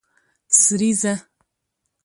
سریزه